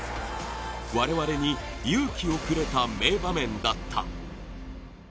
我々に勇気をくれた名場面だった。